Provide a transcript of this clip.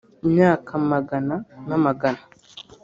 Imyaka amagana n’amagna